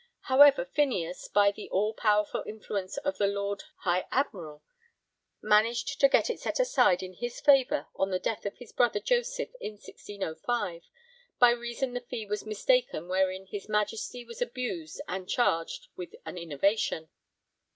However, Phineas, by the all powerful influence of the Lord High Admiral, managed to get it set aside in his favour on the death of his brother Joseph in 1605, 'by reason the fee was mistaken wherein his Majesty was abused and charged with an innovation.'